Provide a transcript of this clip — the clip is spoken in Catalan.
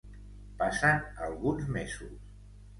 Passen alguns mesos.